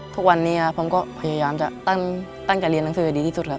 ทุกวันนี้ผมก็พยายามจะตั้งใจเรียนหนังสือให้ดีที่สุดแล้ว